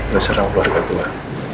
lo serang keluarga gue